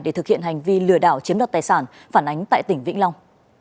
để thực hiện hành vi lừa đảo chiếm đoạt tài sản phản ánh tại tỉnh vĩnh long